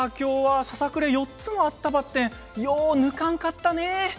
今日はささくれ４つあったばってんよう抜かんかったね。